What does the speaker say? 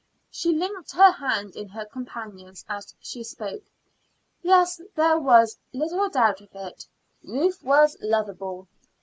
She linked her hand in her companion's as she spoke. Yes, there was little doubt of it, Ruth was lovable.